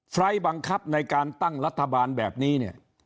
ไฟล์ทบังคับในการตั้งรัฐบาลแบบนี้เนี่ย